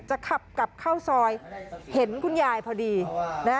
ขับกลับเข้าซอยเห็นคุณยายพอดีนะฮะ